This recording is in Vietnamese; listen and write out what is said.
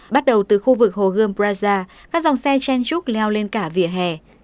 bắt đầu từ khu vực hồ gươm brazza các dòng xe chen trúc leo lên khu vực